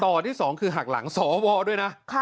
ต่อที่๒คือหักหลังสวด้วยนะ